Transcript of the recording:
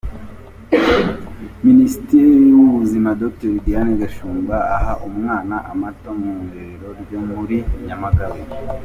Minisitiri w’ ubuzima Dr Diane Gashumba aha umwana amata mu irerero ryo muri Nyamagabe.